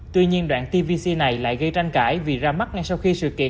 tuy nhiên đoạn tvc này lại gây tranh cãi vì ra mắt ngay sau khi sự kiện